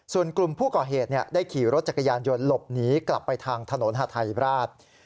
ส่วนกลุ่มผู้ก่อเหตุได้ขี่รถจักรยานยนต์หลบหนีกลับไปทางถนนฮาไทยราช